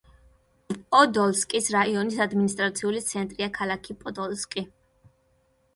პოდოლსკის რაიონის ადმინისტრაციული ცენტრია ქალაქი პოდოლსკი.